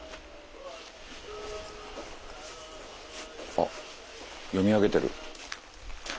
あ読み上げてる。